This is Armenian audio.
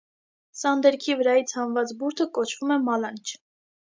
Սանդերքի վրայից հանված բուրդը կոչվում է մալանչ։